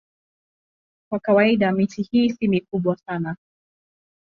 Kwa kawaida miti hii si mikubwa sana.